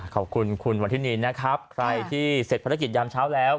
ขอบคุณคุณวันทินีนะครับใครที่เสร็จภารกิจยามเช้าแล้ว